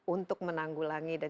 untuk menanggulangi dan